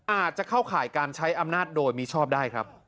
อาจจะเข้าข่ายการใช้อำนาจโดยมิชอบได้ครับ